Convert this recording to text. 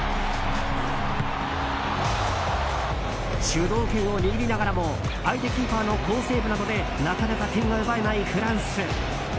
主導権を握りながらも相手キーパーの好セーブなどでなかなか点が奪えないフランス。